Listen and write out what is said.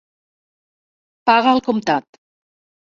Paga al comptat.